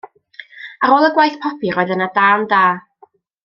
Ar ôl y gwaith pobi roedd yna dân da.